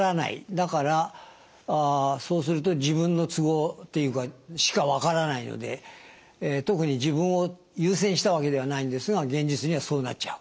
だからそうすると自分の都合しかわからないので特に自分を優先したわけではないんですが現実にはそうなっちゃう。